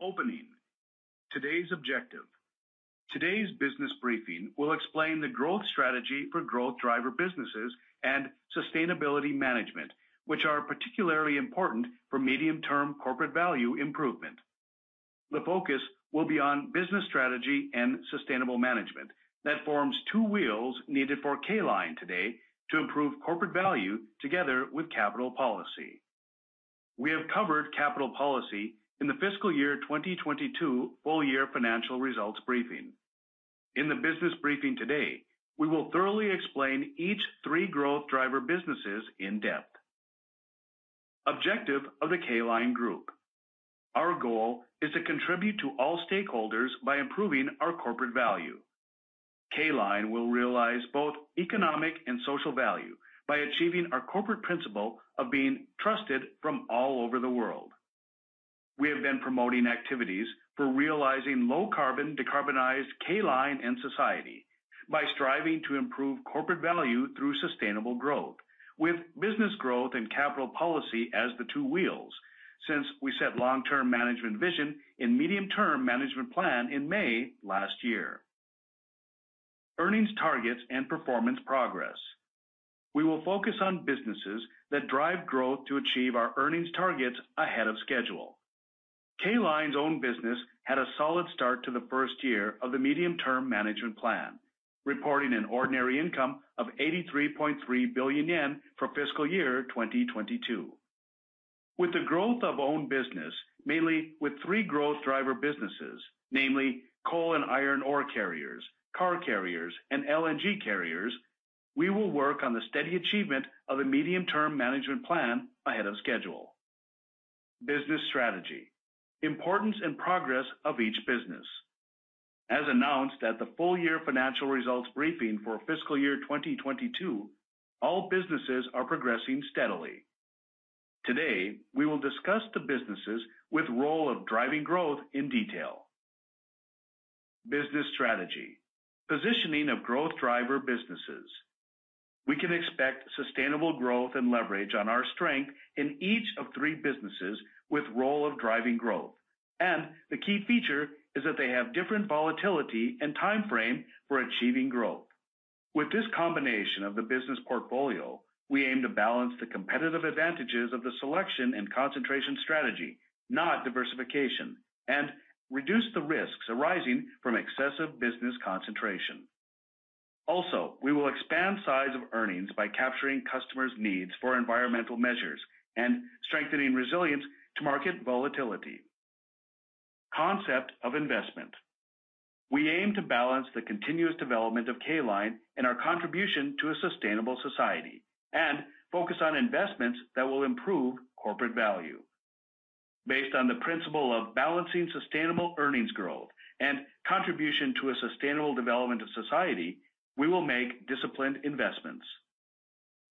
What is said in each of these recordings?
Opening. Today's objective. Today's business briefing will explain the growth strategy for growth driver businesses and sustainability management, which are particularly important for medium-term corporate value improvement. The focus will be on business strategy and sustainable management. That forms two wheels needed for “K” LINE today to improve corporate value together with capital policy. We have covered capital policy in the fiscal year 2022 full year financial results briefing. In the business briefing today, we will thoroughly explain each three growth driver businesses in depth. Objective of the “K” LINE Group. Our goal is to contribute to all stakeholders by improving our corporate value. “K” LINE will realize both economic and social value by achieving our corporate principle of being trusted from all over the world. We have been promoting activities for realizing low-carbon, decarbonized “K” LINE and society, by striving to improve corporate value through sustainable growth, with business growth and capital policy as the two wheels, since we set long-term management vision in medium-term management plan in May last year. Earnings targets and performance progress. We will focus on businesses that drive growth to achieve our earnings targets ahead of schedule. “K” LINE's own business had a solid start to the first year of the medium-term management plan, reporting an ordinary income of 83.3 billion yen for fiscal year 2022. With the growth of own business, mainly with three growth driver businesses, namely coal and iron ore carriers, car carriers, and LNG carriers, we will work on the steady achievement of the medium-term management plan ahead of schedule. Business strategy. Importance and progress of each business. As announced at the full year financial results briefing for fiscal year 2022, all businesses are progressing steadily. Today, we will discuss the businesses with role of driving growth in detail. Business strategy. Positioning of growth driver businesses. We can expect sustainable growth and leverage on our strength in each of three businesses with role of driving growth, and the key feature is that they have different volatility and timeframe for achieving growth. With this combination of the business portfolio, we aim to balance the competitive advantages of the selection and concentration strategy, not diversification, and reduce the risks arising from excessive business concentration. Also, we will expand size of earnings by capturing customers' needs for environmental measures and strengthening resilience to market volatility. Concept of investment. We aim to balance the continuous development of “K” LINE and our contribution to a sustainable society, and focus on investments that will improve corporate value. Based on the principle of balancing sustainable earnings growth and contribution to a sustainable development of society, we will make disciplined investments.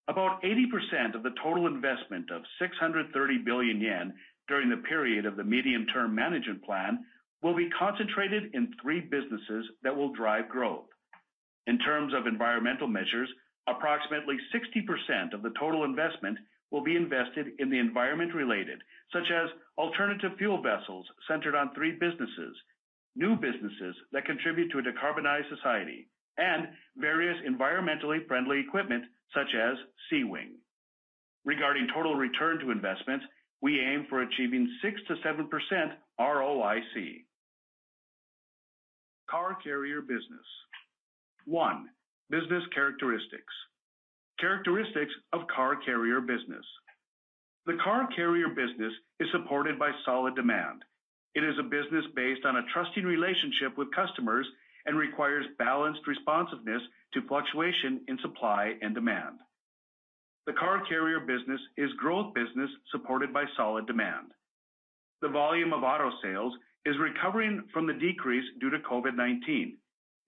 About 80% of the total investment of 630 billion yen during the period of the medium-term management plan, will be concentrated in three businesses that will drive growth. In terms of environmental measures, approximately 60% of the total investment will be invested in the environment related, such as alternative fuel vessels centered on three businesses, new businesses that contribute to a decarbonized society, and various environmentally friendly equipment such as Seawing. Regarding total return to investments, we aim for achieving 6%-7% ROIC. Car carrier business. One, business characteristics. Characteristics of car carrier business. The car carrier business is supported by solid demand. It is a business based on a trusting relationship with customers and requires balanced responsiveness to fluctuation in supply and demand. The car carrier business is growth business supported by solid demand. The volume of auto sales is recovering from the decrease due to COVID-19.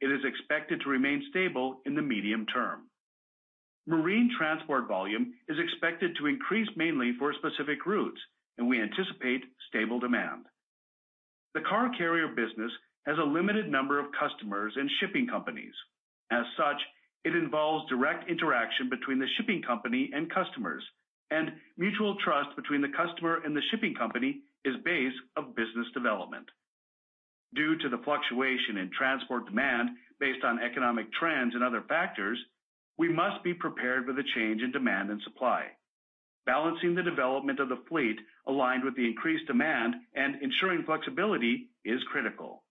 It is expected to remain stable in the medium term. Marine transport volume is expected to increase mainly for specific routes, and we anticipate stable demand. The car carrier business has a limited number of customers and shipping companies. As such, it involves direct interaction between the shipping company and customers, and mutual trust between the customer and the shipping company is base of business development. Due to the fluctuation in transport demand based on economic trends and other factors, we must be prepared for the change in demand and supply. Balancing the development of the fleet aligned with the increased demand and ensuring flexibility is critical.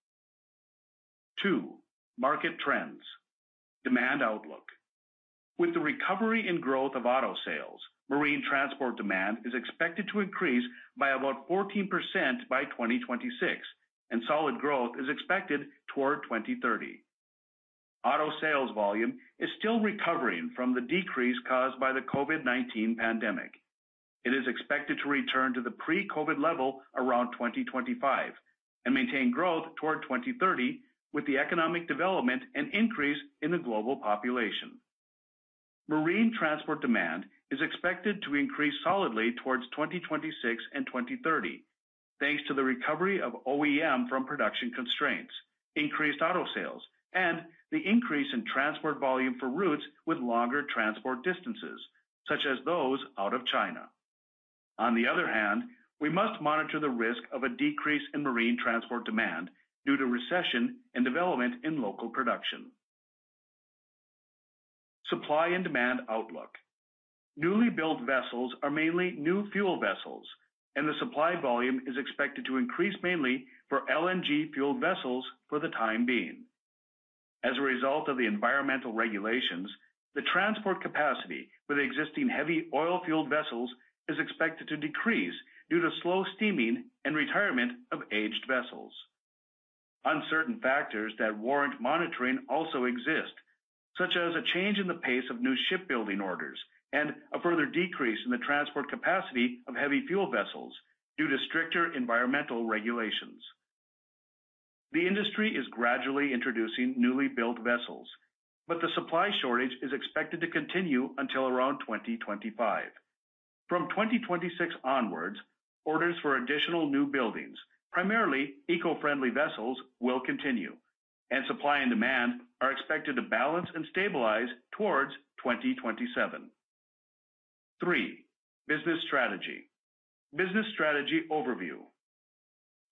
Two, market trends. Demand outlook. With the recovery and growth of auto sales, marine transport demand is expected to increase by about 14% by 2026, and solid growth is expected toward 2030. Auto sales volume is still recovering from the decrease caused by the COVID-19 pandemic. It is expected to return to the pre-COVID level around 2025, and maintain growth toward 2030 with the economic development and increase in the global population. Marine transport demand is expected to increase solidly towards 2026 and 2030, thanks to the recovery of OEM from production constraints, increased auto sales, and the increase in transport volume for routes with longer transport distances, such as those out of China. On the other hand, we must monitor the risk of a decrease in marine transport demand due to recession and development in local production. Supply and demand outlook. Newly built vessels are mainly new fuel vessels, and the supply volume is expected to increase mainly for LNG-fueled vessels for the time being. As a result of the environmental regulations, the transport capacity for the existing heavy oil-fueled vessels is expected to decrease due to slow steaming and retirement of aged vessels. Uncertain factors that warrant monitoring also exist, such as a change in the pace of new shipbuilding orders and a further decrease in the transport capacity of heavy fuel vessels due to stricter environmental regulations. The industry is gradually introducing newly built vessels, but the supply shortage is expected to continue until around 2025. From 2026 onwards, orders for additional new buildings, primarily eco-friendly vessels, will continue. Supply and demand are expected to balance and stabilize towards 2027. Three, business strategy. Business strategy overview.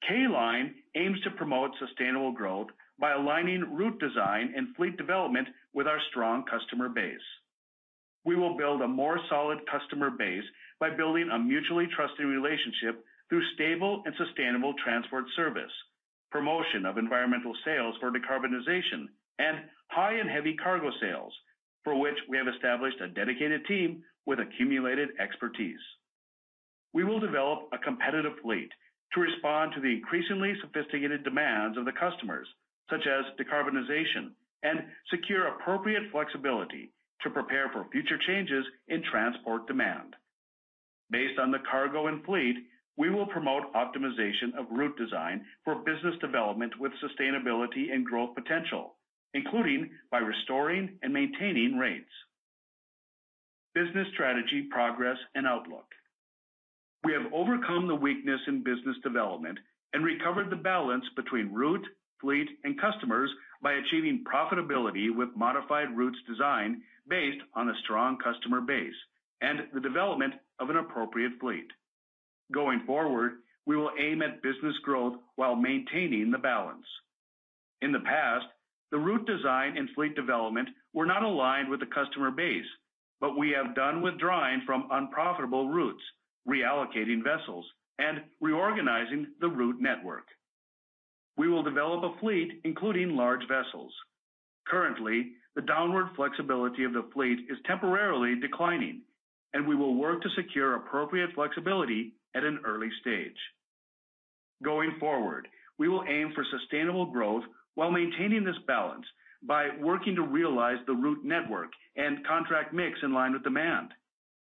“K” LINE aims to promote sustainable growth by aligning route design and fleet development with our strong customer base. We will build a more solid customer base by building a mutually trusting relationship through stable and sustainable transport service, promotion of environmental sales for decarbonization, and high and heavy cargo sales, for which we have established a dedicated team with accumulated expertise. We will develop a competitive fleet to respond to the increasingly sophisticated demands of the customers, such as decarbonization, and secure appropriate flexibility to prepare for future changes in transport demand. Based on the cargo and fleet, we will promote optimization of route design for business development with sustainability and growth potential, including by restoring and maintaining rates. Business strategy progress and outlook. We have overcome the weakness in business development and recovered the balance between route, fleet, and customers by achieving profitability with modified routes design based on a strong customer base and the development of an appropriate fleet. Going forward, we will aim at business growth while maintaining the balance. In the past, the route design and fleet development were not aligned with the customer base, but we have done withdrawing from unprofitable routes, reallocating vessels, and reorganizing the route network. We will develop a fleet, including large vessels. Currently, the downward flexibility of the fleet is temporarily declining, and we will work to secure appropriate flexibility at an early stage. Going forward, we will aim for sustainable growth while maintaining this balance by working to realize the route network and contract mix in line with demand,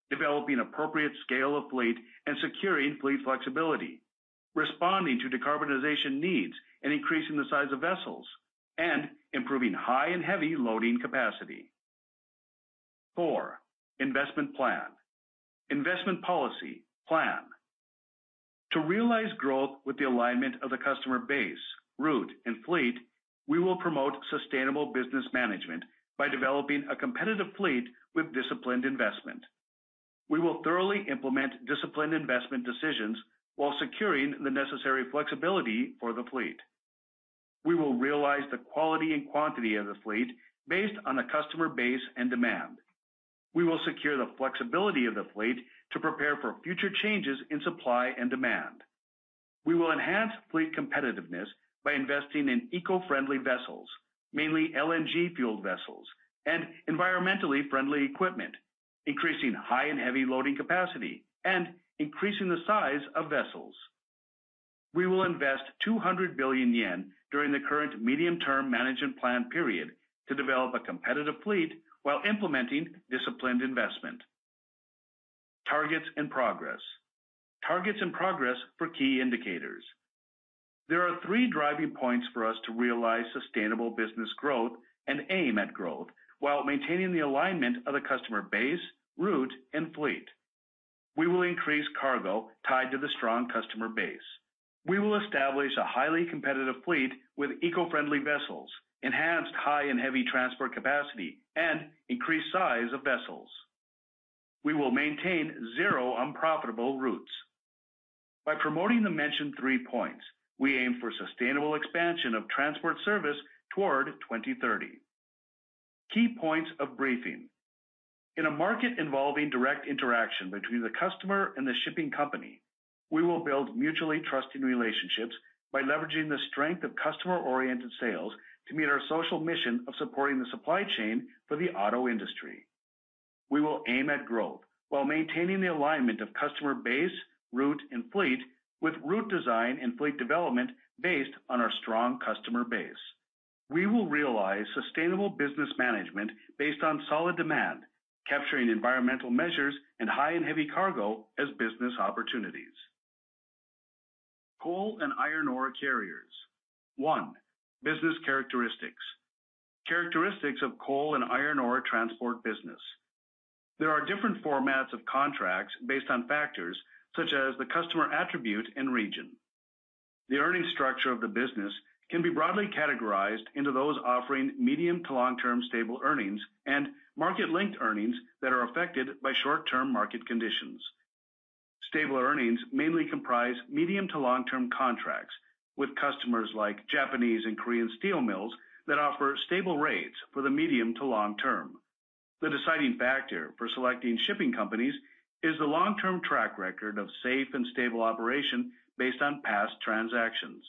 developing appropriate scale of fleet and securing fleet flexibility, responding to decarbonization needs, and increasing the size of vessels, and improving high and heavy loading capacity. Four, investment plan. Investment policy plan. To realize growth with the alignment of the customer base, route, and fleet, we will promote sustainable business management by developing a competitive fleet with disciplined investment. We will thoroughly implement disciplined investment decisions while securing the necessary flexibility for the fleet. We will realize the quality and quantity of the fleet based on the customer base and demand. We will secure the flexibility of the fleet to prepare for future changes in supply and demand. We will enhance fleet competitiveness by investing in eco-friendly vessels, mainly LNG-fueled vessels and environmentally friendly equipment, increasing high and heavy loading capacity, and increasing the size of vessels. We will invest 200 billion yen during the current medium-term management plan period to develop a competitive fleet while implementing disciplined investment. Targets and progress. Targets and progress for key indicators. There are three driving points for us to realize sustainable business growth and aim at growth, while maintaining the alignment of the customer base, route, and fleet. We will increase cargo tied to the strong customer base. We will establish a highly competitive fleet with eco-friendly vessels, enhanced high and heavy transport capacity, and increased size of vessels. We will maintain zero unprofitable routes. By promoting the mentioned three points, we aim for sustainable expansion of transport service toward 2030. Key points of briefing. In a market involving direct interaction between the customer and the shipping company, we will build mutually trusting relationships by leveraging the strength of customer-oriented sales to meet our social mission of supporting the supply chain for the auto industry. We will aim at growth while maintaining the alignment of customer base, route, and fleet, with route design and fleet development based on our strong customer base. We will realize sustainable business management based on solid demand, capturing environmental measures and high and heavy cargo as business opportunities. Coal and iron ore carriers. One, business characteristics. Characteristics of coal and iron ore transport business. There are different formats of contracts based on factors such as the customer attribute and region. The earning structure of the business can be broadly categorized into those offering medium to long-term stable earnings and market-linked earnings that are affected by short-term market conditions. Stable earnings mainly comprise medium to long-term contracts with customers like Japanese and Korean steel mills that offer stable rates for the medium to long term. The deciding factor for selecting shipping companies is the long-term track record of safe and stable operation based on past transactions.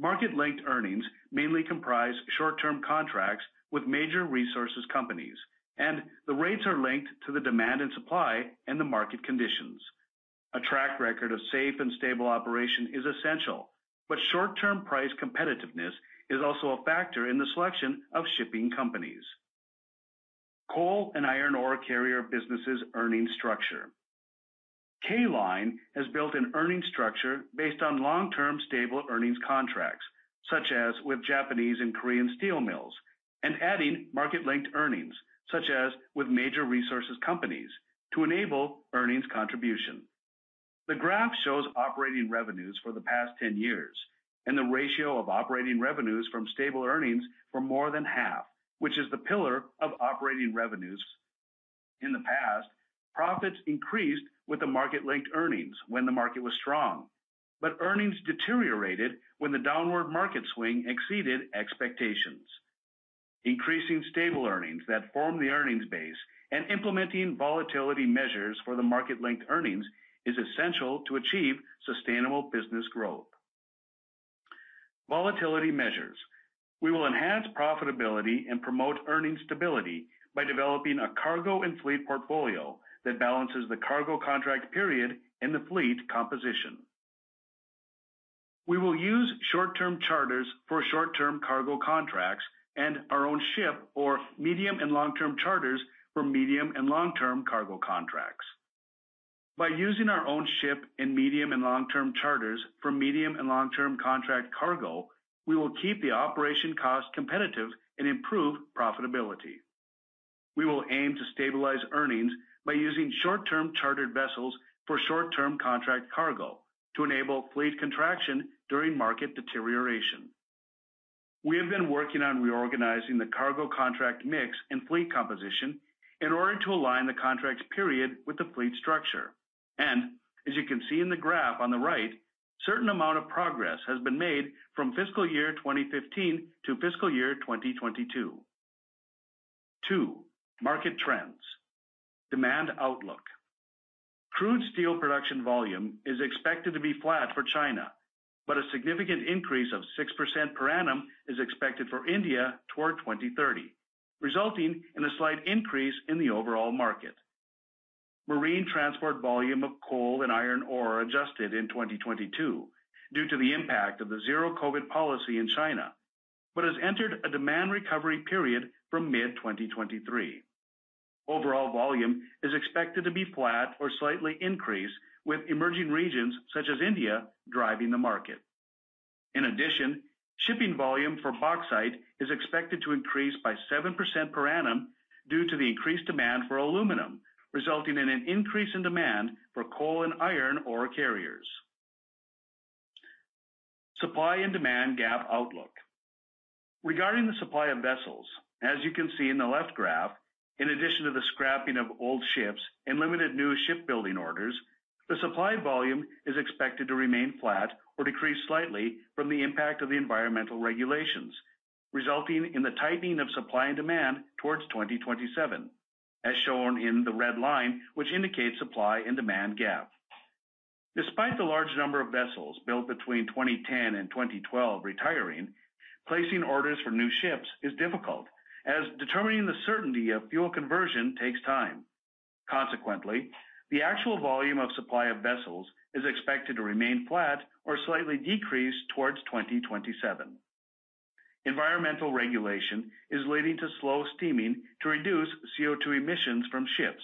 Market-linked earnings mainly comprise short-term contracts with major resources companies, and the rates are linked to the demand and supply and the market conditions. A track record of safe and stable operation is essential, but short-term price competitiveness is also a factor in the selection of shipping companies. Coal and iron ore carrier businesses earnings structure. “K” LINE has built an earning structure based on long-term stable earnings contracts, such as with Japanese and Korean steel mills, and adding market-linked earnings, such as with major resources companies, to enable earnings contribution. The graph shows operating revenues for the past 10 years, and the ratio of operating revenues from stable earnings for more than half, which is the pillar of operating revenues. In the past, profits increased with the market-linked earnings when the market was strong, but earnings deteriorated when the downward market swing exceeded expectations. Increasing stable earnings that form the earnings base and implementing volatility measures for the market-linked earnings is essential to achieve sustainable business growth. Volatility measures. We will enhance profitability and promote earning stability by developing a cargo and fleet portfolio that balances the cargo contract period and the fleet composition. We will use short-term charters for short-term cargo contracts and our own ship, or medium and long-term charters for medium and long-term cargo contracts. By using our own ship and medium and long-term charters for medium and long-term contract cargo, we will keep the operation cost competitive and improve profitability. We will aim to stabilize earnings by using short-term chartered vessels for short-term contract cargo to enable fleet contraction during market deterioration. We have been working on reorganizing the cargo contract mix and fleet composition in order to align the contracts period with the fleet structure. As you can see in the graph on the right, certain amount of progress has been made from fiscal year 2015 to fiscal year 2022. Two, market trends. Demand outlook. Crude steel production volume is expected to be flat for China, but a significant increase of 6% per annum is expected for India toward 2030, resulting in a slight increase in the overall market. Marine transport volume of coal and iron ore adjusted in 2022 due to the impact of the Zero COVID policy in China, but has entered a demand recovery period from mid-2023. Overall volume is expected to be flat or slightly increased, with emerging regions such as India driving the market. In addition, shipping volume for bauxite is expected to increase by 7% per annum due to the increased demand for aluminum, resulting in an increase in demand for coal and iron ore carriers. Supply and demand gap outlook. Regarding the supply of vessels, as you can see in the left graph, in addition to the scrapping of old ships and limited new shipbuilding orders, the supply volume is expected to remain flat or decrease slightly from the impact of the environmental regulations, resulting in the tightening of supply and demand towards 2027, as shown in the red line, which indicates supply and demand gap. Despite the large number of vessels built between 2010 and 2012 retiring, placing orders for new ships is difficult, as determining the certainty of fuel conversion takes time. Consequently, the actual volume of supply of vessels is expected to remain flat or slightly decreased towards 2027. Environmental regulation is leading to slow steaming to reduce CO₂ emissions from ships,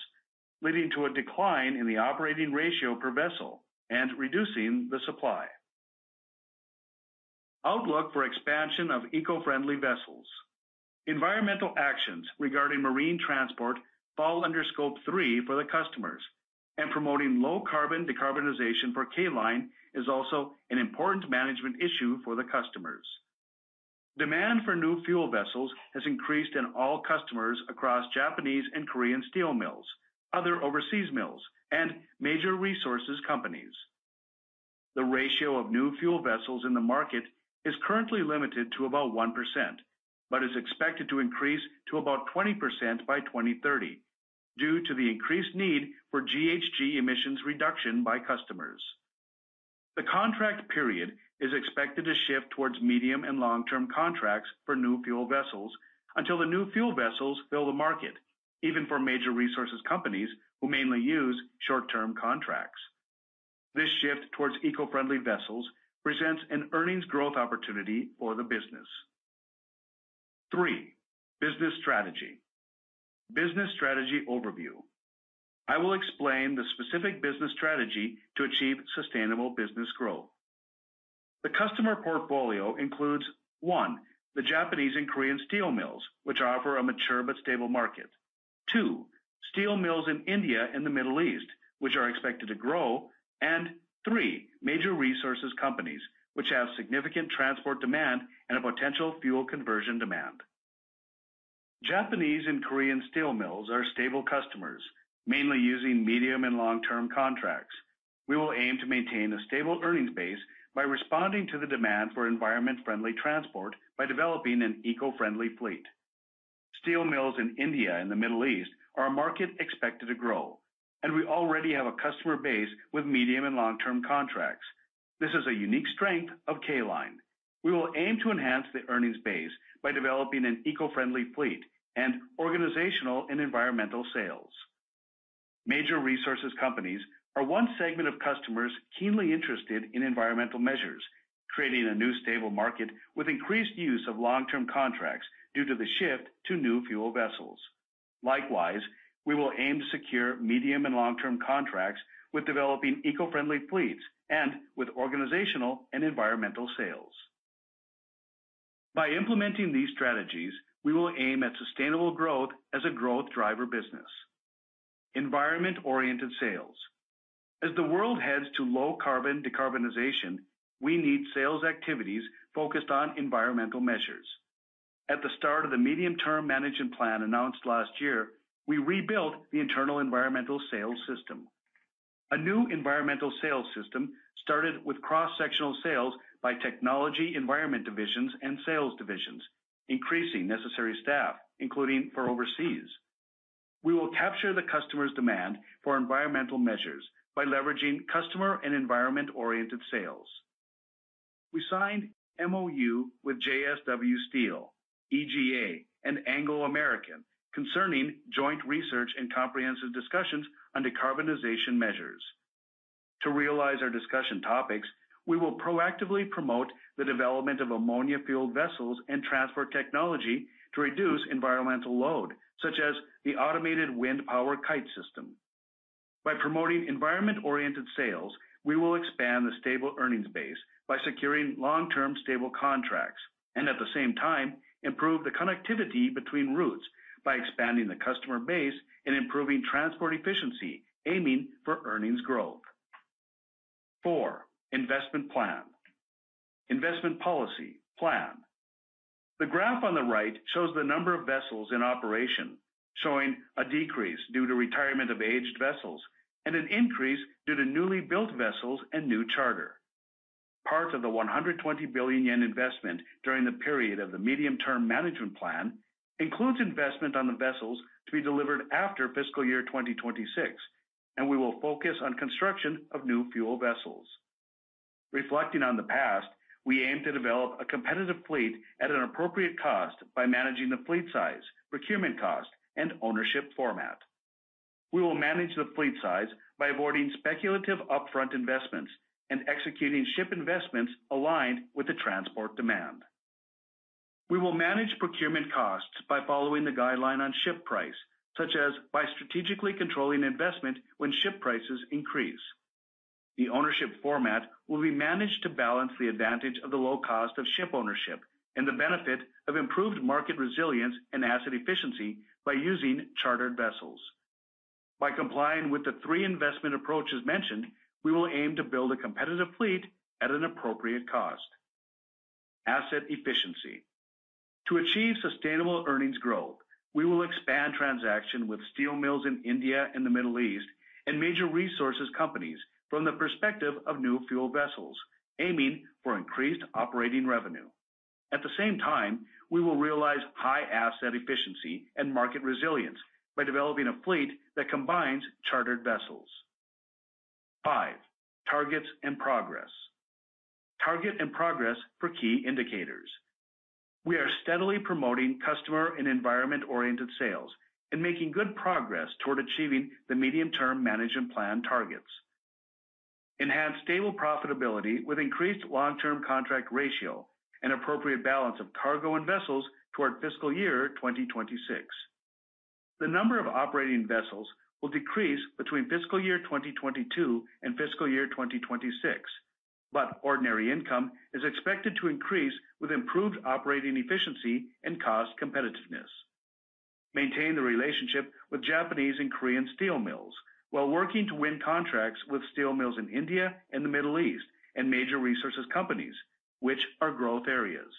leading to a decline in the operating ratio per vessel and reducing the supply. Outlook for expansion of eco-friendly vessels. Environmental actions regarding marine transport fall under Scope 3 for the customers, and promoting low carbon decarbonization for “K” LINE is also an important management issue for the customers. Demand for new fuel vessels has increased in all customers across Japanese and Korean steel mills, other overseas mills, and major resources companies. The ratio of new fuel vessels in the market is currently limited to about 1%, but is expected to increase to about 20% by 2030 due to the increased need for GHG emissions reduction by customers. The contract period is expected to shift towards medium and long-term contracts for new fuel vessels until the new fuel vessels fill the market, even for major resources companies who mainly use short-term contracts. This shift towards eco-friendly vessels presents an earnings growth opportunity for the business. Three. Business strategy overview. I will explain the specific business strategy to achieve sustainable business growth. The customer portfolio includes, one, the Japanese and Korean steel mills, which offer a mature but stable market. Two, steel mills in India and the Middle East, which are expected to grow, and three, major resources companies, which have significant transport demand and a potential fuel conversion demand. Japanese and Korean steel mills are stable customers, mainly using medium and long-term contracts. We will aim to maintain a stable earnings base by responding to the demand for environment-friendly transport by developing an eco-friendly fleet. Steel mills in India and the Middle East are a market expected to grow, and we already have a customer base with medium and long-term contracts. This is a unique strength of “K” LINE. We will aim to enhance the earnings base by developing an eco-friendly fleet and organizational and environmental sales. Major resources companies are one segment of customers keenly interested in environmental measures, creating a new stable market with increased use of long-term contracts due to the shift to new fuel vessels. Likewise, we will aim to secure medium and long-term contracts with developing eco-friendly fleets and with organizational and environmental sales. By implementing these strategies, we will aim at sustainable growth as a growth driver business. Environment-oriented sales. As the world heads to low carbon decarbonization, we need sales activities focused on environmental measures. At the start of the medium-term management plan announced last year, we rebuilt the internal environmental sales system. A new environmental sales system started with cross-sectional sales by technology, environment divisions, and sales divisions, increasing necessary staff, including for overseas. We will capture the customer's demand for environmental measures by leveraging customer and environment-oriented sales. We signed MoU with JSW Steel, EGA, and Anglo American concerning joint research and comprehensive discussions on decarbonization measures. To realize our discussion topics, we will proactively promote the development of ammonia-fueled vessels and transport technology to reduce environmental load, such as the automated wind power kite system. By promoting environment-oriented sales, we will expand the stable earnings base by securing long-term, stable contracts, and at the same time, improve the connectivity between routes by expanding the customer base and improving transport efficiency, aiming for earnings growth. Four, investment plan. Investment policy plan. The graph on the right shows the number of vessels in operation, showing a decrease due to retirement of aged vessels, and an increase due to newly built vessels and new charter. Part of the 120 billion yen investment during the period of the medium-term management plan includes investment on the vessels to be delivered after fiscal year 2026. We will focus on construction of new fuel vessels. Reflecting on the past, we aim to develop a competitive fleet at an appropriate cost by managing the fleet size, procurement cost, and ownership format. We will manage the fleet size by avoiding speculative upfront investments and executing ship investments aligned with the transport demand. We will manage procurement costs by following the guideline on ship price, such as by strategically controlling investment when ship prices increase. The ownership format will be managed to balance the advantage of the low cost of ship ownership and the benefit of improved market resilience and asset efficiency by using chartered vessels. By complying with the three investment approaches mentioned, we will aim to build a competitive fleet at an appropriate cost. Asset efficiency. To achieve sustainable earnings growth, we will expand transaction with steel mills in India and the Middle East, and major resources companies from the perspective of new fuel vessels, aiming for increased operating revenue. At the same time, we will realize high asset efficiency and market resilience by developing a fleet that combines chartered vessels. Five, targets and progress. Target and progress for key indicators. We are steadily promoting customer and environment-oriented sales and making good progress toward achieving the medium-term management plan targets. Enhance stable profitability with increased long-term contract ratio and appropriate balance of cargo and vessels toward fiscal year 2026. The number of operating vessels will decrease between fiscal year 2022 and fiscal year 2026, but ordinary income is expected to increase with improved operating efficiency and cost competitiveness. Maintain the relationship with Japanese and Korean steel mills, while working to win contracts with steel mills in India and the Middle East, and major resources companies, which are growth areas.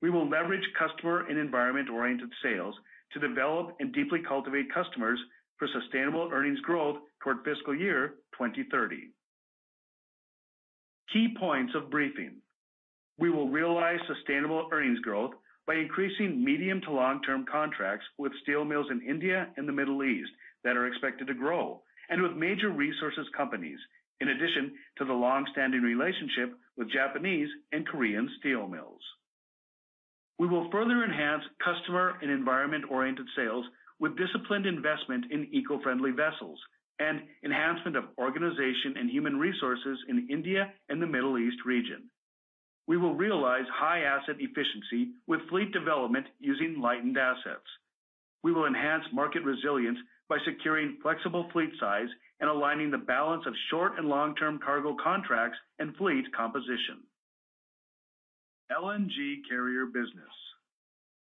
We will leverage customer and environment-oriented sales to develop and deeply cultivate customers for sustainable earnings growth toward fiscal year 2030. Key points of briefing. We will realize sustainable earnings growth by increasing medium to long-term contracts with steel mills in India and the Middle East that are expected to grow, and with major resources companies, in addition to the long-standing relationship with Japanese and Korean steel mills. We will further enhance customer and environment-oriented sales with disciplined investment in eco-friendly vessels and enhancement of organization and human resources in India and the Middle East region. We will realize high asset efficiency with fleet development using lightened assets. We will enhance market resilience by securing flexible fleet size and aligning the balance of short and long-term cargo contracts and fleet composition. LNG carrier business.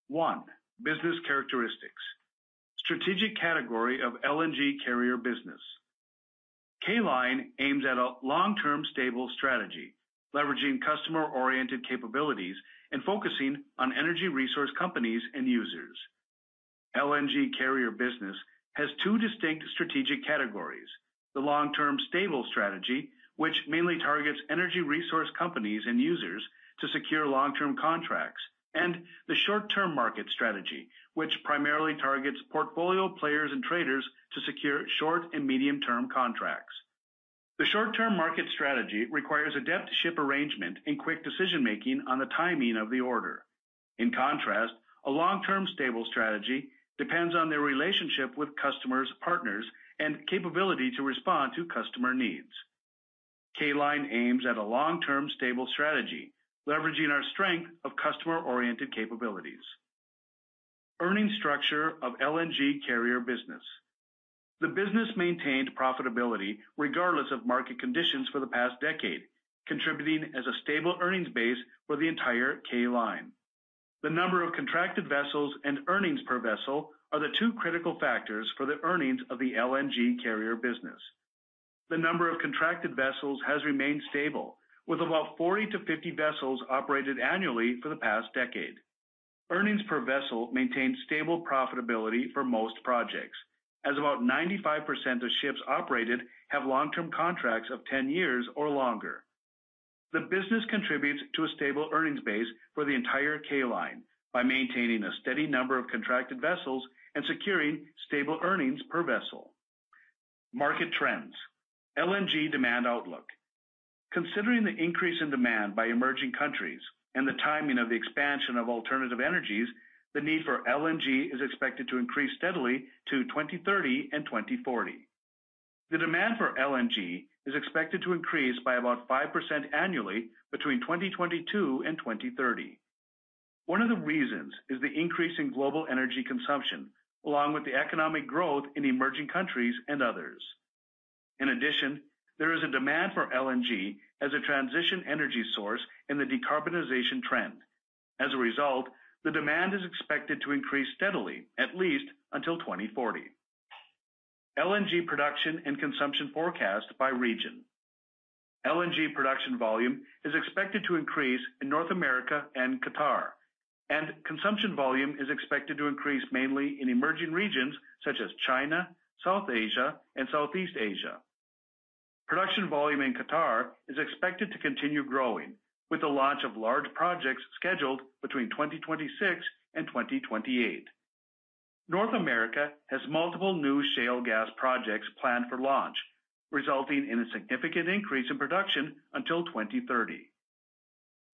One, business characteristics. Strategic category of LNG carrier business. “K” LINE aims at a long-term stable strategy, leveraging customer-oriented capabilities and focusing on energy resource companies and users. LNG carrier business has two distinct strategic categories: the long-term stable strategy, which mainly targets energy resource companies and users to secure long-term contracts, and the short-term market strategy, which primarily targets portfolio players and traders to secure short and medium-term contracts. The short-term market strategy requires adept ship arrangement and quick decision-making on the timing of the order. In contrast, a long-term stable strategy depends on the relationship with customers, partners, and capability to respond to customer needs. “K” LINE aims at a long-term stable strategy, leveraging our strength of customer-oriented capabilities. Earning structure of LNG carrier business. The business maintained profitability regardless of market conditions for the past decade, contributing as a stable earnings base for the entire “K” LINE. The number of contracted vessels and earnings per vessel are the two critical factors for the earnings of the LNG carrier business. The number of contracted vessels has remained stable, with about 40-50 vessels operated annually for the past decade. Earnings per vessel maintained stable profitability for most projects, as about 95% of ships operated have long-term contracts of 10 years or longer. The business contributes to a stable earnings base for the entire “K” LINE by maintaining a steady number of contracted vessels and securing stable earnings per vessel. Market trends. LNG demand outlook. Considering the increase in demand by emerging countries and the timing of the expansion of alternative energies, the need for LNG is expected to increase steadily to 2030 and 2040. The demand for LNG is expected to increase by about 5% annually between 2022 and 2030. One of the reasons is the increase in global energy consumption, along with the economic growth in emerging countries and others. In addition, there is a demand for LNG as a transition energy source in the decarbonization trend. As a result, the demand is expected to increase steadily, at least until 2040. LNG production and consumption forecast by region. LNG production volume is expected to increase in North America and Qatar, and consumption volume is expected to increase mainly in emerging regions such as China, South Asia, and Southeast Asia. Production volume in Qatar is expected to continue growing, with the launch of large projects scheduled between 2026 and 2028. North America has multiple new shale gas projects planned for launch, resulting in a significant increase in production until 2030.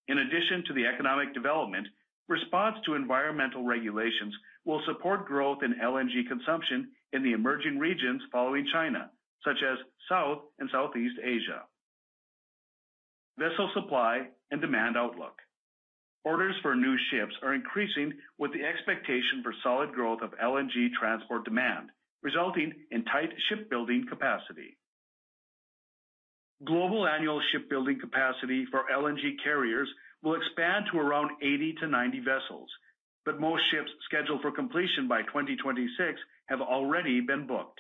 In addition to the economic development, response to environmental regulations will support growth in LNG consumption in the emerging regions following China, such as South and Southeast Asia. Vessel supply and demand outlook. Orders for new ships are increasing with the expectation for solid growth of LNG transport demand, resulting in tight shipbuilding capacity. Global annual shipbuilding capacity for LNG carriers will expand to around 80-90 vessels, but most ships scheduled for completion by 2026 have already been booked.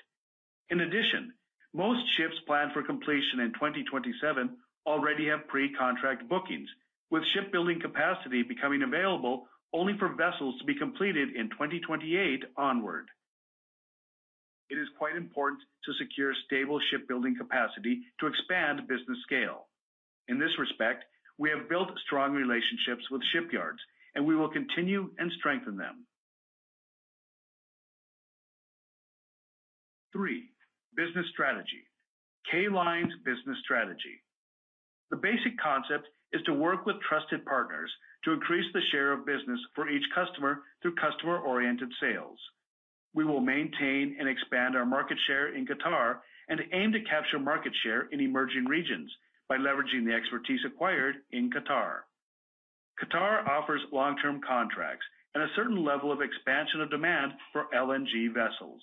Most ships planned for completion in 2027 already have pre-contract bookings, with shipbuilding capacity becoming available only for vessels to be completed in 2028 onward. It is quite important to secure stable shipbuilding capacity to expand business scale. In this respect, we have built strong relationships with shipyards, and we will continue and strengthen them. Three, business strategy. “K” LINE's business strategy. The basic concept is to work with trusted partners to increase the share of business for each customer through customer-oriented sales. We will maintain and expand our market share in Qatar and aim to capture market share in emerging regions by leveraging the expertise acquired in Qatar. Qatar offers long-term contracts and a certain level of expansion of demand for LNG vessels.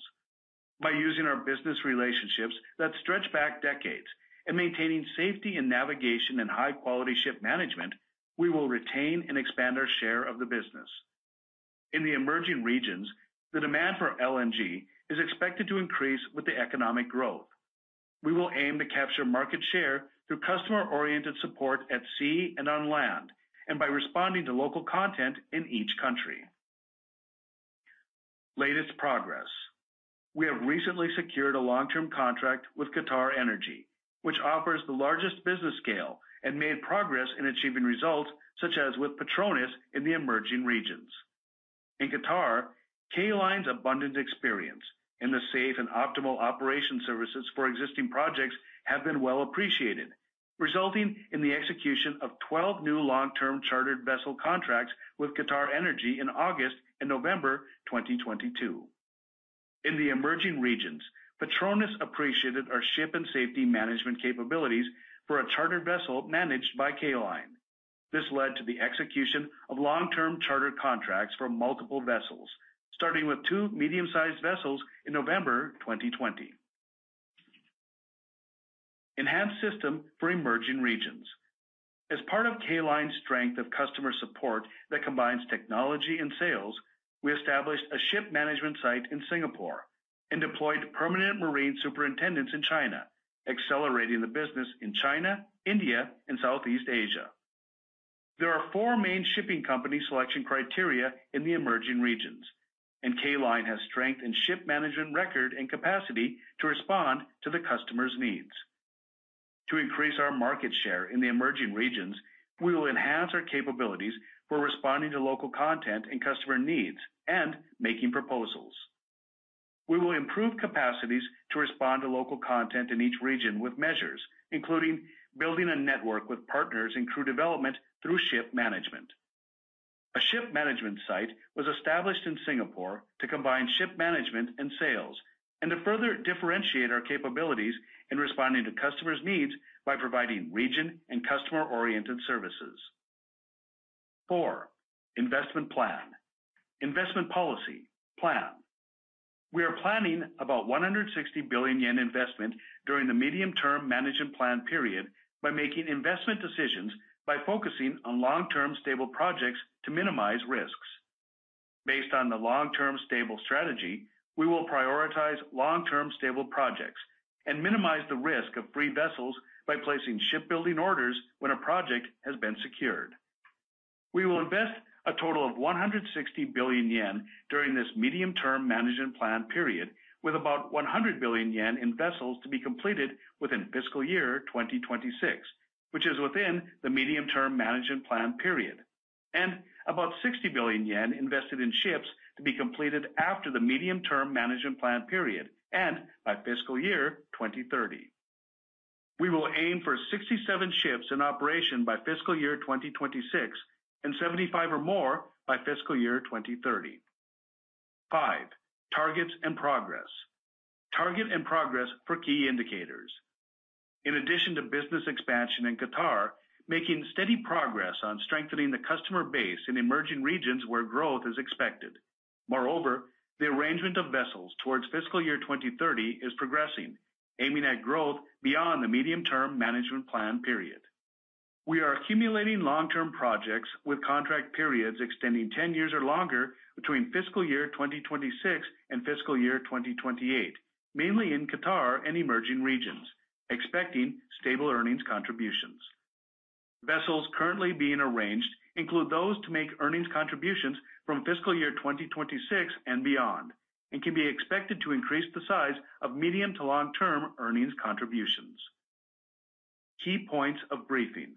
By using our business relationships that stretch back decades and maintaining safety and navigation and high-quality ship management, we will retain and expand our share of the business. In the emerging regions, the demand for LNG is expected to increase with the economic growth. We will aim to capture market share through customer-oriented support at sea and on land, and by responding to local content in each country. Latest progress. We have recently secured a long-term contract with QatarEnergy, which offers the largest business scale and made progress in achieving results, such as with PETRONAS in the emerging regions. In Qatar, “K” LINE's abundant experience in the safe and optimal operation services for existing projects have been well appreciated, resulting in the execution of 12 new long-term chartered vessel contracts with QatarEnergy in August and November 2022. In the emerging regions, PETRONAS appreciated our ship and safety management capabilities for a chartered vessel managed by “K” LINE. This led to the execution of long-term charter contracts for multiple vessels, starting with two medium-sized vessels in November 2020. Enhanced system for emerging regions. As part of “K” LINE's strength of customer support that combines technology and sales, we established a ship management site in Singapore and deployed permanent marine superintendents in China, accelerating the business in China, India, and Southeast Asia. There are four main shipping company selection criteria in the emerging regions, and “K” LINE has strength in ship management record and capacity to respond to the customers' needs. To increase our market share in the emerging regions, we will enhance our capabilities for responding to local content and customer needs and making proposals. We will improve capacities to respond to local content in each region with measures, including building a network with partners in crew development through ship management. A ship management site was established in Singapore to combine ship management and sales, and to further differentiate our capabilities in responding to customers' needs by providing region and customer-oriented services. Four, investment plan. Investment policy plan. We are planning about 160 billion yen investment during the medium-term management plan period by making investment decisions by focusing on long-term stable projects to minimize risks. Based on the long-term stable strategy, we will prioritize long-term stable projects and minimize the risk of free vessels by placing shipbuilding orders when a project has been secured. We will invest a total of 160 billion yen during this medium-term management plan period, with about 100 billion yen in vessels to be completed within fiscal year 2026, which is within the medium-term management plan period, and about 60 billion yen invested in ships to be completed after the medium-term management plan period and by fiscal year 2030. We will aim for 67 ships in operation by fiscal year 2026 and 75 ships or more by fiscal year 2030. Five, targets and progress. Target and progress for key indicators. In addition to business expansion in Qatar, making steady progress on strengthening the customer base in emerging regions where growth is expected. The arrangement of vessels towards fiscal year 2030 is progressing, aiming at growth beyond the medium-term management plan period. We are accumulating long-term projects with contract periods extending 10 years or longer between fiscal year 2026 and fiscal year 2028, mainly in Qatar and emerging regions, expecting stable earnings contributions. Vessels currently being arranged include those to make earnings contributions from fiscal year 2026 and beyond, and can be expected to increase the size of medium to long-term earnings contributions. Key points of briefing.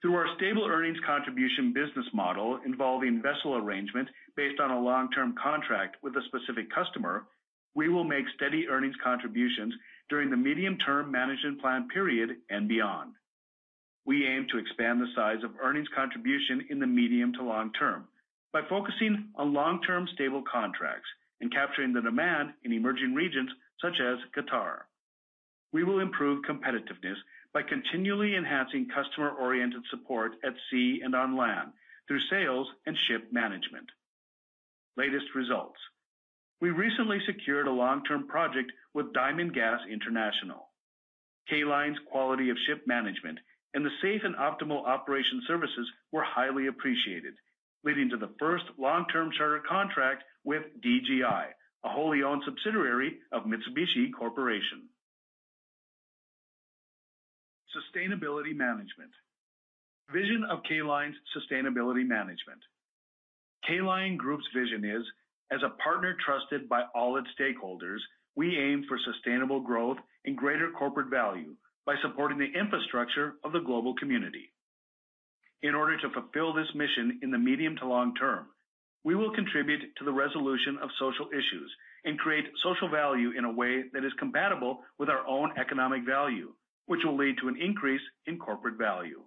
Through our stable earnings contribution business model involving vessel arrangement based on a long-term contract with a specific customer, we will make steady earnings contributions during the medium-term management plan period and beyond. We aim to expand the size of earnings contribution in the medium to long term by focusing on long-term stable contracts and capturing the demand in emerging regions such as Qatar. We will improve competitiveness by continually enhancing customer-oriented support at sea and on land through sales and ship management. Latest results. We recently secured a long-term project with Diamond Gas International. “K” LINE's quality of ship management and the safe and optimal operation services were highly appreciated, leading to the first long-term charter contract with DGI, a wholly-owned subsidiary of Mitsubishi Corporation. Sustainability management. Vision of “K” LINE's sustainability management. “K” LINE Group's vision is: As a partner trusted by all its stakeholders, we aim for sustainable growth and greater corporate value by supporting the infrastructure of the global community. In order to fulfill this mission in the medium to long term, we will contribute to the resolution of social issues and create social value in a way that is compatible with our own economic value, which will lead to an increase in corporate value.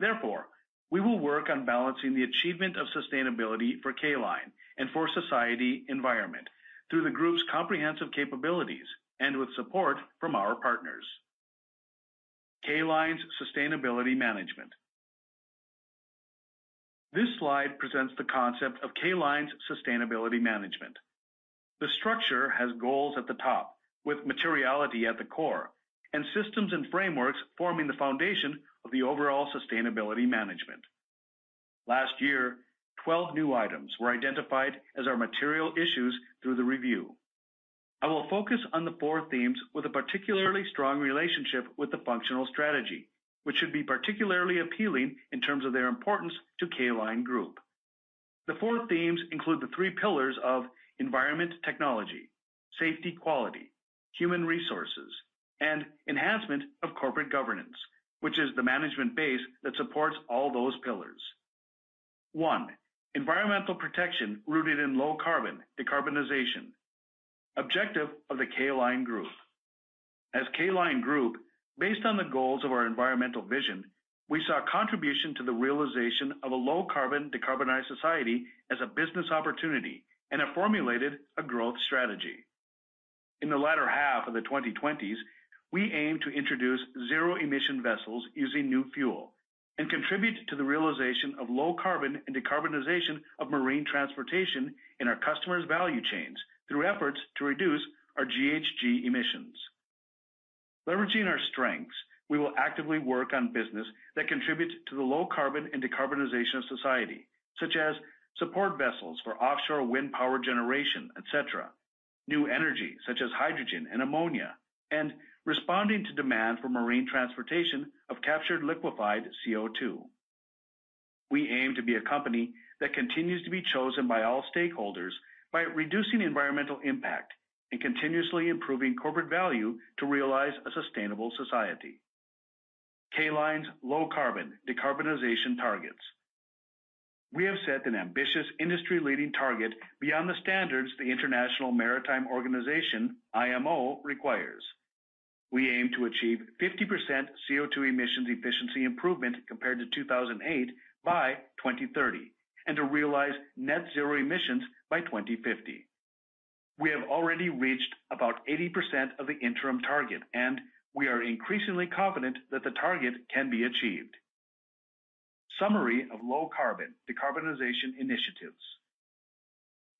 Therefore, we will work on balancing the achievement of sustainability for “K” LINE and for society environment through the group's comprehensive capabilities and with support from our partners. “K” LINE's sustainability management. This slide presents the concept of “K” LINE's sustainability management. The structure has goals at the top, with materiality at the core, and systems and frameworks forming the foundation of the overall sustainability management. Last year, 12 new items were identified as our material issues through the review. I will focus on the four themes with a particularly strong relationship with the functional strategy, which should be particularly appealing in terms of their importance to “K” LINE Group. The four themes include the three pillars of environment, technology, safety, quality, human resources, and enhancement of corporate governance, which is the management base that supports all those pillars. One, environmental protection rooted in low carbon decarbonization. Objective of the “K” LINE Group. As “K” LINE Group, based on the goals of our environmental vision, we saw contribution to the realization of a low-carbon, decarbonized society as a business opportunity, and have formulated a growth strategy. In the latter half of the 2020s, we aim to introduce zero-emission vessels using new fuel, and contribute to the realization of low carbon and decarbonization of marine transportation in our customers' value chains, through efforts to reduce our GHG emissions. Leveraging our strengths, we will actively work on business that contributes to the low carbon and decarbonization of society, such as support vessels for offshore wind power generation, et cetera, new energy such as hydrogen and ammonia, and responding to demand for marine transportation of captured liquefied CO₂. We aim to be a company that continues to be chosen by all stakeholders by reducing environmental impact and continuously improving corporate value to realize a sustainable society. “K” LINE's low carbon, decarbonization targets. We have set an ambitious industry-leading target beyond the standards the International Maritime Organization, IMO, requires. We aim to achieve 50% CO₂ emissions efficiency improvement compared to 2008 by 2030, and to realize net zero emissions by 2050. We have already reached about 80% of the interim target, and we are increasingly confident that the target can be achieved. Summary of low carbon, decarbonization initiatives.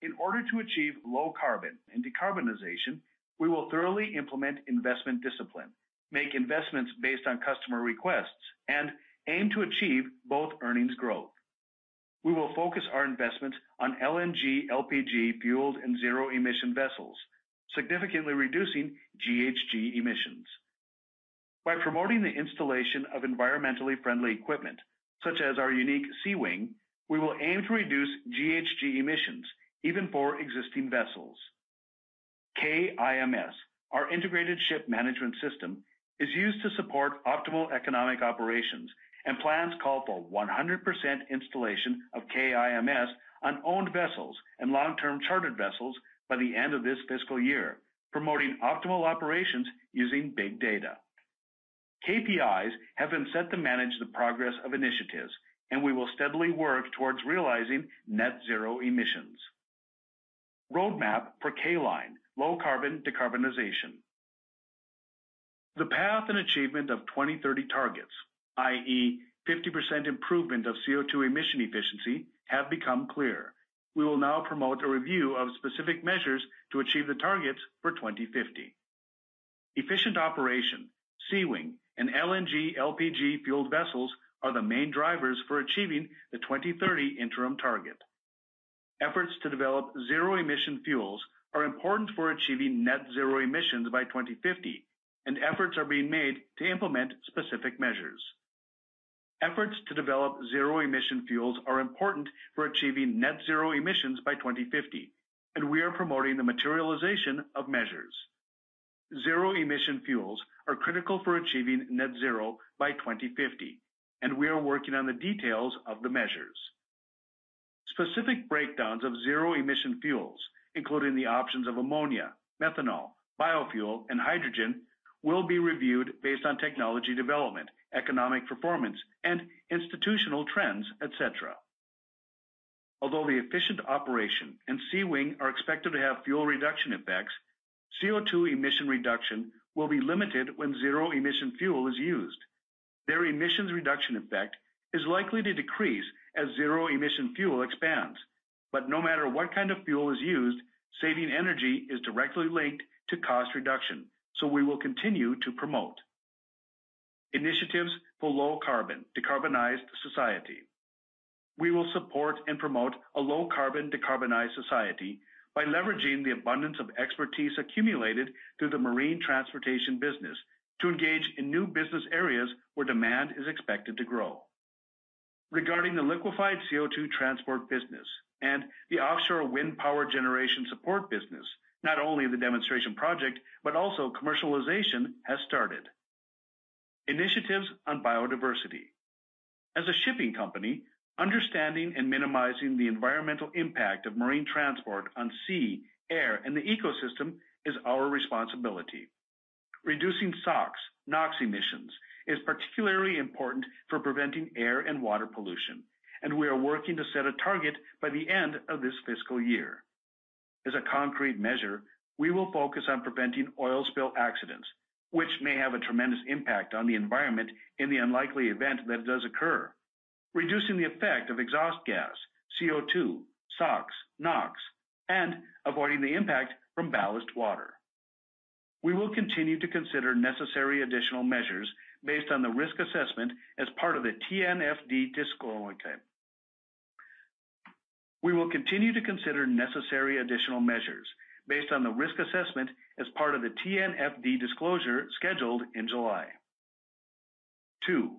In order to achieve low carbon and decarbonization, we will thoroughly implement investment discipline, make investments based on customer requests, and aim to achieve both earnings growth. We will focus our investment on LNG/LPG-fueled and zero-emission vessels, significantly reducing GHG emissions. By promoting the installation of environmentally friendly equipment, such as our unique Seawing, we will aim to reduce GHG emissions even for existing vessels. K-IMS, our integrated ship management system, is used to support optimal economic operations, and plans call for 100% installation of K-IMS on owned vessels and long-term chartered vessels by the end of this fiscal year, promoting optimal operations using big data. KPIs have been set to manage the progress of initiatives, and we will steadily work towards realizing net zero emissions. Roadmap for “K” LINE low carbon decarbonization. The path and achievement of 2030 targets, i.e., 50% improvement of CO₂ emission efficiency, have become clear. We will now promote a review of specific measures to achieve the targets for 2050. Efficient operation, Seawing, and LNG/LPG-fueled vessels are the main drivers for achieving the 2030 interim target. Efforts to develop zero-emission fuels are important for achieving net zero emissions by 2050, and efforts are being made to implement specific measures. Efforts to develop zero-emission fuels are important for achieving net zero emissions by 2050, and we are promoting the materialization of measures. Zero-emission fuels are critical for achieving net zero by 2050, and we are working on the details of the measures. Specific breakdowns of zero-emission fuels, including the options of ammonia, methanol, biofuel, and hydrogen, will be reviewed based on technology development, economic performance, and institutional trends, et cetera. Although the efficient operation and Seawing are expected to have fuel reduction effects, CO₂ emission reduction will be limited when zero-emission fuel is used. Their emissions reduction effect is likely to decrease as zero-emission fuel expands. No matter what kind of fuel is used, saving energy is directly linked to cost reduction, so we will continue to promote. Initiatives for low-carbon, decarbonized society. We will support and promote a low-carbon, decarbonized society by leveraging the abundance of expertise accumulated through the marine transportation business, to engage in new business areas where demand is expected to grow. Regarding the liquefied CO₂ transport business and the offshore wind power generation support business, not only the demonstration project, but also commercialization has started. Initiatives on biodiversity. As a shipping company, understanding and minimizing the environmental impact of marine transport on sea, air, and the ecosystem is our responsibility. Reducing SOx, NOx emissions is particularly important for preventing air and water pollution. We are working to set a target by the end of this fiscal year. As a concrete measure, we will focus on preventing oil spill accidents, which may have a tremendous impact on the environment in the unlikely event that it does occur, reducing the effect of exhaust gas, CO₂, SOx, NOx, and avoiding the impact from ballast water. We will continue to consider necessary additional measures based on the risk assessment as part of the TNFD disclosure scheduled in July. Two,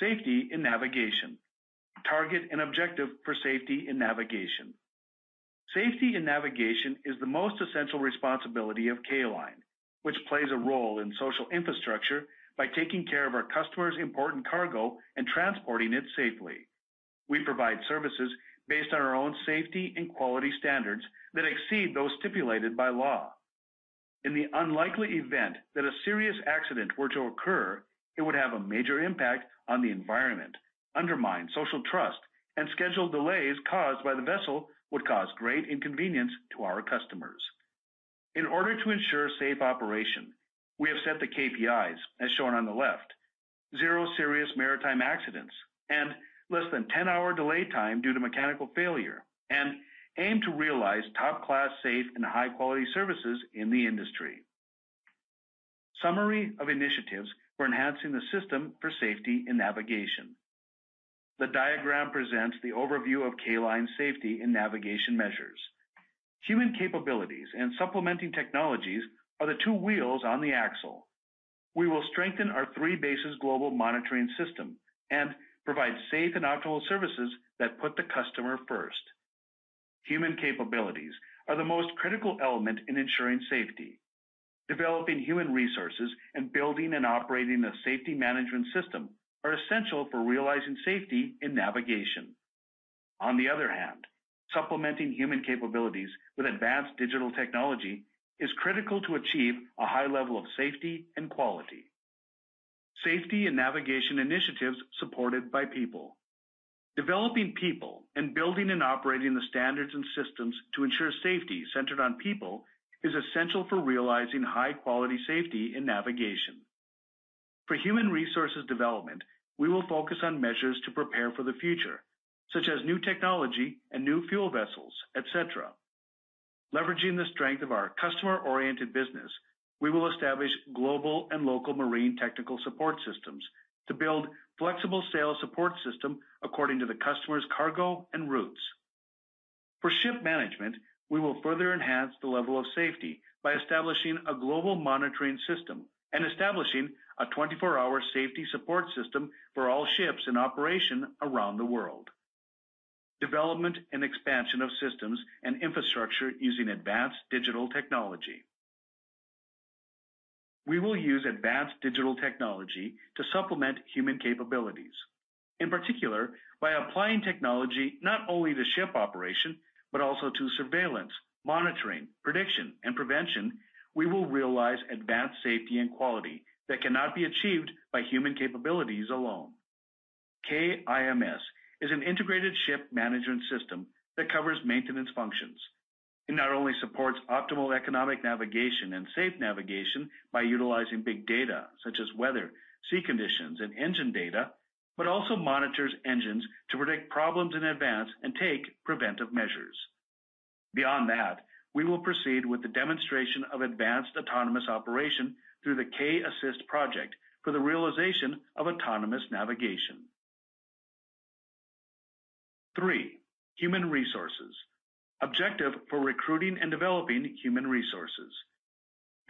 safety in navigation. Target and objective for safety in navigation. Safety in navigation is the most essential responsibility of “K” LINE, which plays a role in social infrastructure by taking care of our customers' important cargo and transporting it safely. We provide services based on our own safety and quality standards that exceed those stipulated by law. In the unlikely event that a serious accident were to occur, it would have a major impact on the environment, undermine social trust, and schedule delays caused by the vessel would cause great inconvenience to our customers. In order to ensure safe operation, we have set the KPIs as shown on the left. Zero serious maritime accidents, and less than 10-hour delay time due to mechanical failure, and aim to realize top-class safe and high-quality services in the industry. Summary of initiatives for enhancing the system for safety and navigation. The diagram presents the overview of “K” LINE safety and navigation measures. Human capabilities and supplementing technologies are the two wheels on the axle. We will strengthen our three bases global monitoring system and provide safe and optimal services that put the customer first. Human capabilities are the most critical element in ensuring safety. Developing human resources and building and operating a safety management system are essential for realizing safety and navigation. On the other hand, supplementing human capabilities with advanced digital technology is critical to achieve a high level of safety and quality. Safety and navigation initiatives supported by people. Developing people and building and operating the standards and systems to ensure safety centered on people is essential for realizing high-quality safety and navigation. For human resources development, we will focus on measures to prepare for the future, such as new technology and new fuel vessels, et cetera. Leveraging the strength of our customer-oriented business, we will establish global and local marine technical support systems to build flexible sales support system according to the customer's cargo and routes. For ship management, we will further enhance the level of safety by establishing a global monitoring system and establishing a 24-hour safety support system for all ships in operation around the world. Development and expansion of systems and infrastructure using advanced digital technology. We will use advanced digital technology to supplement human capabilities. In particular, by applying technology not only to ship operation, but also to surveillance, monitoring, prediction, and prevention, we will realize advanced safety and quality that cannot be achieved by human capabilities alone. K-IMS is an integrated ship management system that covers maintenance functions. It not only supports optimal economic navigation and safe navigation by utilizing big data, such as weather, sea conditions, and engine data, but also monitors engines to predict problems in advance and take preventive measures. Beyond that, we will proceed with the demonstration of advanced autonomous operation through the K-Assist project for the realization of autonomous navigation. Three, Human Resources. Objective for recruiting and developing human resources.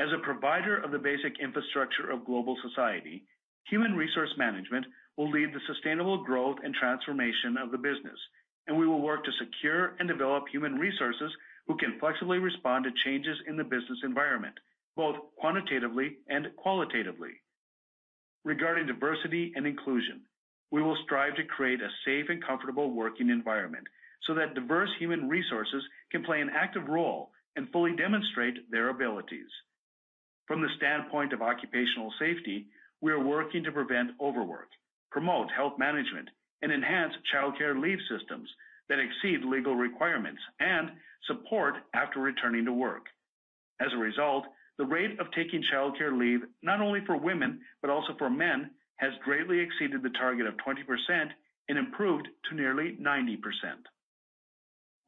As a provider of the basic infrastructure of global society, human resource management will lead the sustainable growth and transformation of the business, and we will work to secure and develop human resources who can flexibly respond to changes in the business environment, both quantitatively and qualitatively. Regarding diversity and inclusion, we will strive to create a safe and comfortable working environment, so that diverse human resources can play an active role and fully demonstrate their abilities. From the standpoint of occupational safety, we are working to prevent overwork, promote health management, and enhance childcare leave systems that exceed legal requirements and support after returning to work. As a result, the rate of taking childcare leave, not only for women, but also for men, has greatly exceeded the target of 20% and improved to nearly 90%.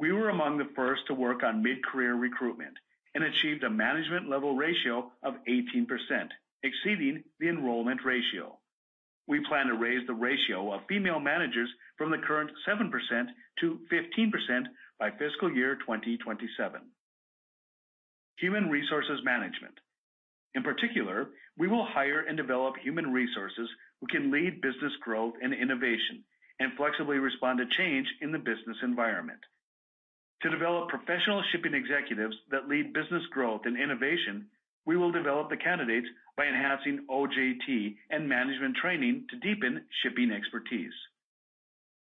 We were among the first to work on mid-career recruitment and achieved a management level ratio of 18%, exceeding the enrollment ratio. We plan to raise the ratio of female managers from the current 7%-15% by fiscal year 2027. Human resources management. In particular, we will hire and develop human resources who can lead business growth and innovation, and flexibly respond to change in the business environment. To develop professional shipping executives that lead business growth and innovation, we will develop the candidates by enhancing OJT and management training to deepen shipping expertise.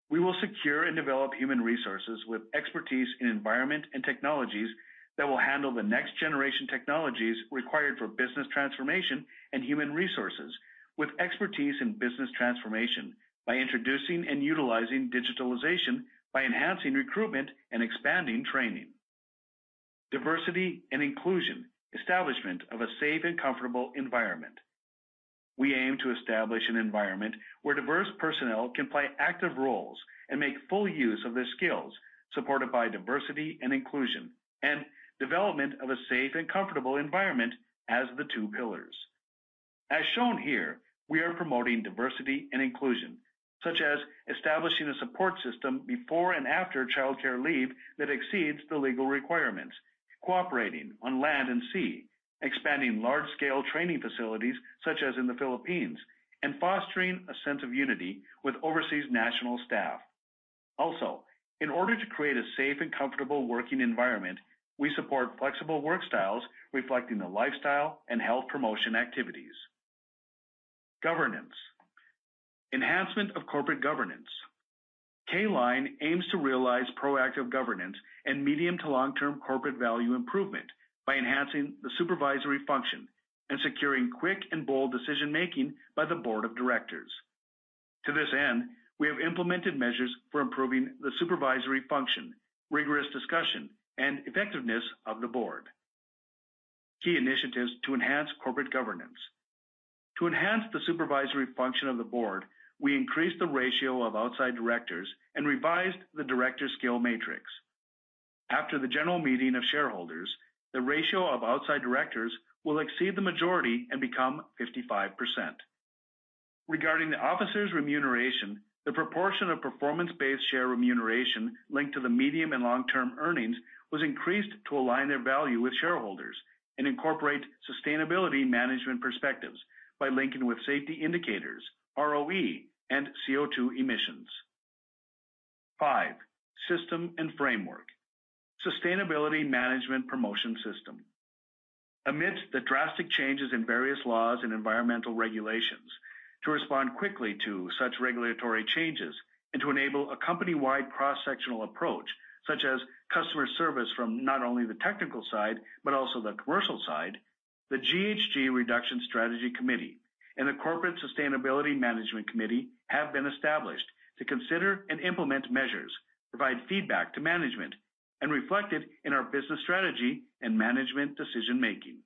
We will secure and develop human resources with expertise in environment and technologies that will handle the next-generation technologies required for business transformation and human resources, with expertise in business transformation by introducing and utilizing digitalization, by enhancing recruitment and expanding training. Diversity and inclusion: Establishment of a safe and comfortable environment. We aim to establish an environment where diverse personnel can play active roles and make full use of their skills, supported by diversity and inclusion, and development of a safe and comfortable environment as the two pillars. As shown here, we are promoting diversity and inclusion, such as establishing a support system before and after childcare leave that exceeds the legal requirements, cooperating on land and sea, expanding large-scale training facilities, such as in the Philippines, and fostering a sense of unity with overseas national staff. In order to create a safe and comfortable working environment, we support flexible work styles reflecting the lifestyle and health promotion activities. Governance. Enhancement of corporate governance. “K” LINE aims to realize proactive governance and medium to long-term corporate value improvement by enhancing the supervisory function and securing quick and bold decision-making by the board of directors. To this end, we have implemented measures for improving the supervisory function, rigorous discussion, and effectiveness of the board. Key initiatives to enhance corporate governance. To enhance the supervisory function of the board, we increased the ratio of outside directors and revised the director skill matrix. After the general meeting of shareholders, the ratio of outside directors will exceed the majority and become 55%. Regarding the officers' remuneration, the proportion of performance-based share remuneration linked to the medium and long-term earnings was increased to align their value with shareholders and incorporate sustainability management perspectives by linking with safety indicators, ROE, and CO₂ emissions. Five, System and framework. Sustainability management promotion system. Amidst the drastic changes in various laws and environmental regulations, to respond quickly to such regulatory changes and to enable a company-wide cross-sectional approach, such as customer service from not only the technical side, but also the commercial side, the GHG Reduction Strategy Committee and the Corporate Sustainability Management Committee have been established to consider and implement measures, provide feedback to management, and reflect it in our business strategy and management decision-making.